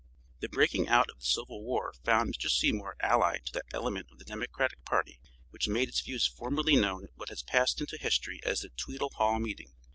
The breaking out of the civil war found Mr. Seymour allied to that element of the Democratic party which made its views formally known at what has passed into history as the "Tweedle Hall" meeting.